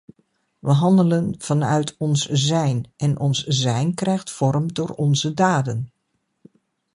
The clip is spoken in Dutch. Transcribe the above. We handelen vanuit ons zijn, en ons zijn krijgt vorm door onze daden.